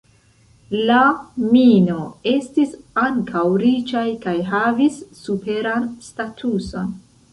La "Mino" estis ankaŭ riĉaj kaj havis superan statuson.